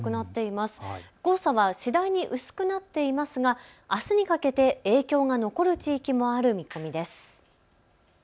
黄砂は次第に薄くなっていますがあすにかけて影響が残る地域もある見込みです。